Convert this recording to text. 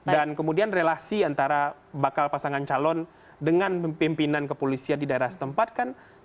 dan kemudian relasi antara bakal pasangan calon dengan pimpinan kepolisian di daerah setempat kan sesuatu hal yang mudah